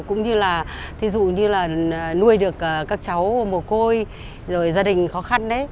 cũng như là nuôi được các cháu mồ côi gia đình khó khăn